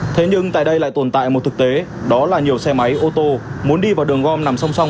thế nhưng tại đây lại tồn tại một thực tế đó là nhiều xe máy ô tô muốn đi vào đường gom nằm song song